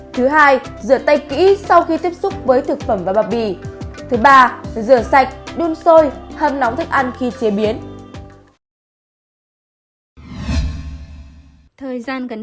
thứ hai rửa tay kỹ sau khi tiếp xúc với thực phẩm và bạc bì